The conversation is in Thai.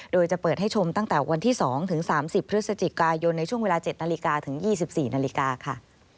โดยจะเปิดให้ชมตั้งแต่วันที่๒ถึง๓๐พฤศจิกายนในช่วงเวลา๗นาฬิกาถึง๒๔นาฬิกาค่ะ